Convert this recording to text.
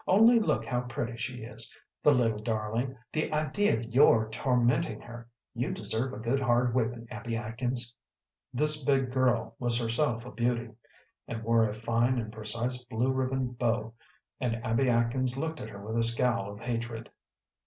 "Only look how pretty she is, the little darling the idea of your tormenting her. You deserve a good, hard whipping, Abby Atkins." This big girl was herself a beauty and wore a fine and precise blue ribbon bow, and Abby Atkins looked at her with a scowl of hatred.